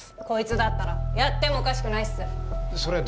こいつだったらやってもおかしくないっす。